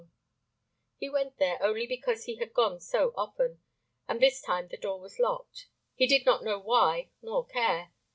[Pg 12]He went there only because he had gone so often, and this time the door was locked; he did not know why nor care.